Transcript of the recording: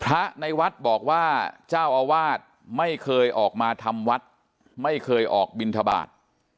พระในวัดบอกว่าเจ้าอาวาสไม่เคยออกมาทำวัดไม่เคยออกบินทบาท